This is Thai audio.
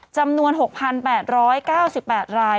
จำนวน๖๘๙๘ราย